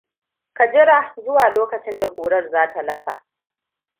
Ka jira zuwa lokacin da ƙurar za ta lafa.